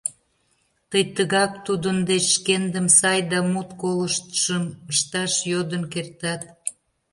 — тый тыгак Тудын деч шкендым сай да мут колыштшым ышташ йодын кертат.